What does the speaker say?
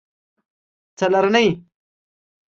څلرنۍ